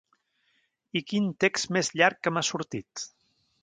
I quin text més llarg que m’ha sortit.